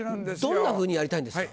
どんなふうにやりたいんですか？